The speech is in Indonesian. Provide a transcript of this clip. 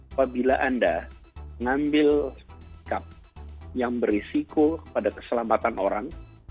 apabila anda mengambil sikap yang berisiko pada keselamatan orang